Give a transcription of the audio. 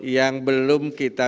yang belum kita